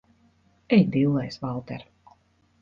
Ej dillēs, Valter!